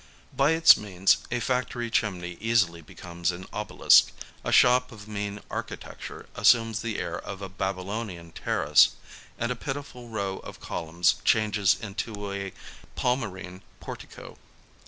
By its means, a factory chimney easily becomes an obelisk, a shop of mean architecture assumes the air of a Babylonian terrace, and a pitiful row of columns changes into a Palmyrene portico.